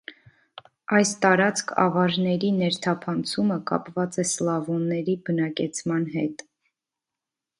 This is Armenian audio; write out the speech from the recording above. Այս տարածք ավարների ներթափանցումը կապված է սլավոնների բնակեցման հետ։